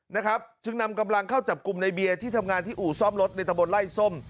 นะครับจึงนำกำลังเข้าจับกลุ่มในเบียร์ที่ทำงานที่อู่ซ่อมรถในตะบนไล่ส้ม